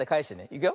いくよ。